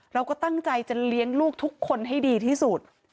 เราก็ตั้งใจจะเลี้ยงลูกทุกคนให้ดีที่สุด